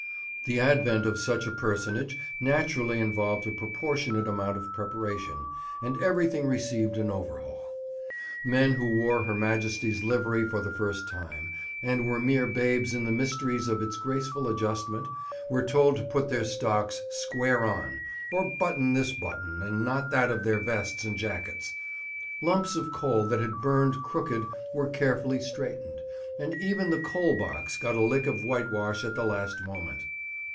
The advent of such a personage naturally involved a proportionate amount of preparation, and everything received an overhaul. Men who wore Her Majesty's livery for the first time, and were mere babes in the mysteries of its graceful adjustment, were told to put their stocks "square on," or button this button and not that of their vests and jackets; lumps of coal that had burned crooked were carefully straightened, and even the coal box got a lick of whitewash at the last moment.